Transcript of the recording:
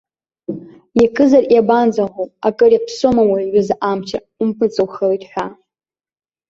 Иакызар иабанӡаӷәӷәоу, акыр иаԥсоума уи аҩыза амчра умпыҵаухалеит ҳәа?